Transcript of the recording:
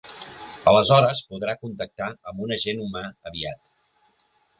Aleshores podrà contactar amb un agent humà aviat.